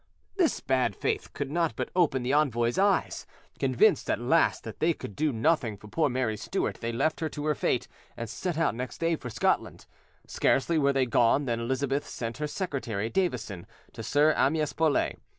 This bad faith could not but open the envoys' eyes. Convinced at last that they could do nothing for poor Mary Stuart, they left her to her fate, and set out next day for Scotland. Scarcely were they gone than Elizabeth sent her secretary, Davison, to Sir Amyas Paulet.